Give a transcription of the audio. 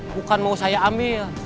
bukan mau saya ambil